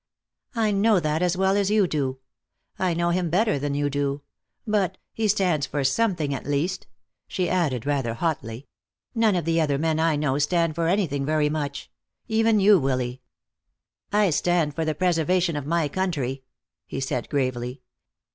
"I know that as well as you do. I know him better than you do. But, he stands for something, at least," she added rather hotly. "None of the other men I know stand for anything very much. Even you, Willy." "I stand for the preservation of my country," he said gravely.